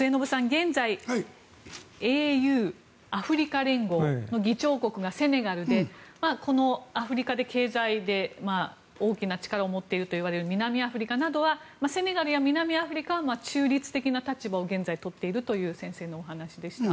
現在、ＡＵ・アフリカ連合の議長国がセネガルでこのアフリカで経済で大きな力を持っているという南アフリカなどはセネガルや南アフリカは中立的な立場を現在取っているという先生のお話でした。